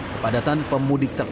kepadatan pemudik terkait